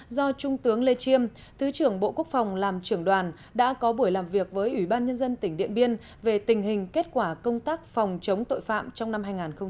do trung tướng lê chiêm thứ trưởng bộ quốc phòng làm trưởng đoàn đã có buổi làm việc với ủy ban nhân dân tỉnh điện biên về tình hình kết quả công tác phòng chống tội phạm trong năm hai nghìn hai mươi